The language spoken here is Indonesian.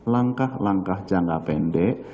langkah langkah jangka pendek